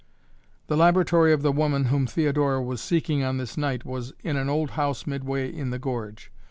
The laboratory of the woman whom Theodora was seeking on this night was in an old house midway in the gorge.